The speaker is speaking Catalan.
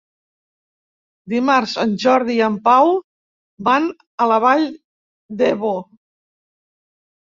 Dimarts en Jordi i en Pau van a la Vall d'Ebo.